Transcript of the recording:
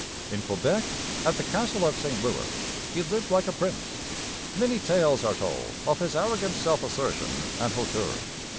In Quebec, at the Castle of St Louis, he lived like a prince. Many tales are told of his arrogant self assertion and hauteur.